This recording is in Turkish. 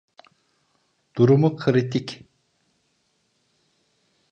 Durumu kritik.